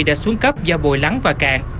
đã xuống cấp do bồi lắng và cạn